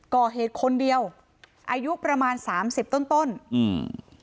ก่อเหตุคนเดียวอายุประมาณสามสิบต้นต้นอืม